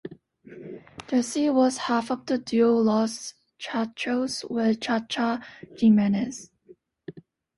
Jessy was half of the duo Los Chachos with Cha Cha Jimenez.